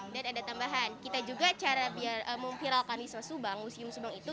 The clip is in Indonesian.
dan ada tambahan kita juga cara memviralkan wisma subang museum subang itu